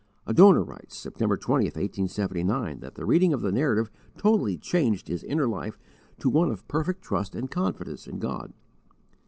A donor writes, September 20, 1879, that the reading of the Narrative totally changed his inner life to one of perfect trust and confidence in God.